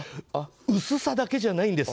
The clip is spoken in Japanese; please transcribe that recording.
薄さだけじゃないんです。